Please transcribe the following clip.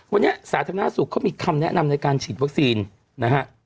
วันนี้สาธารณสุขเขามีคำแนะนำในการฉีดวัคซีนนะฮะ